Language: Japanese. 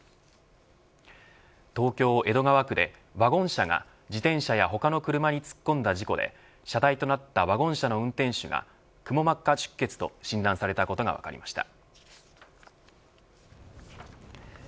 東京、江戸川区でワゴン車が自転車や他の車に突っ込んだ事故で重体となったワゴン車の運転手がくも膜下出血と診断されたことが分かりました。